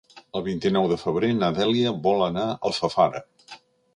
El vint-i-nou de febrer na Dèlia vol anar a Alfafara.